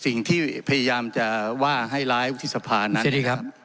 สิ่งที่พยายามจะว่าให้ร้ายวุฒิสภานั้น